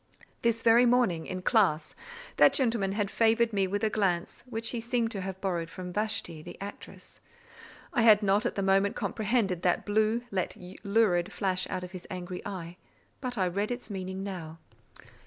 This very morning, in class, that gentleman had favoured me with a glance which he seemed to have borrowed from Vashti, the actress; I had not at the moment comprehended that blue, yet lurid, flash out of his angry eye; but I read its meaning now.